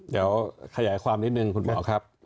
เดี๋ยวขยายความนิดนึงคุณหมอครับ